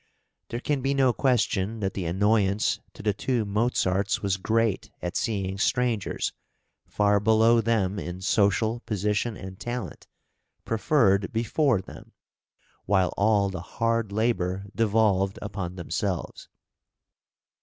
There can be no question that the annoyance to the two Mozarts was great at seeing strangers, far below them in social position and talent, preferred before them, while all the hard labour devolved upon themselves.